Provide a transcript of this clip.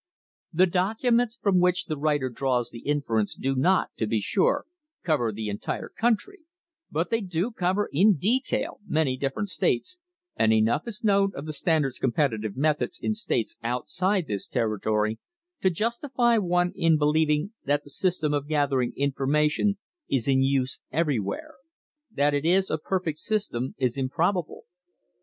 The documents from which the writer draws the inference do not, to be sure, cover the entire country, but they do cover in detail many different states, and enough is known of the Standard's competitive methods in states outside this territory to justify one in believing that the system of gathering information is in use everywhere. That it is a perfect system is improbable.